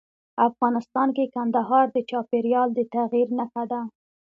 افغانستان کې کندهار د چاپېریال د تغیر نښه ده.